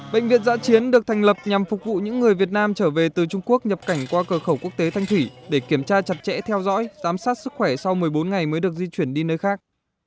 bệnh viện giã chiến được thành lập nhằm phục vụ những người việt nam trở về từ trung quốc nhập cảnh qua cửa khẩu quốc tế thanh thủy để kiểm tra chặt chẽ theo dõi giám sát sức khỏe sau một mươi bốn ngày mới được di chuyển đi nơi khác